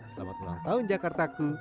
selamat ulang tahun jakartaku